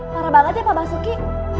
parah banget ya pak basuki